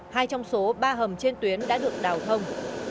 hai trong số ba hầm trên tuyến đã được đào thông